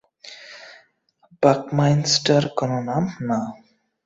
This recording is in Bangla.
বাকমাইনস্টার কোনো নাম না।